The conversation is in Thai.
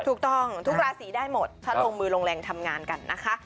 ถูกต้องทุกราศีได้หมดถ้าลงมือลงแรงทำงานกันนะคะ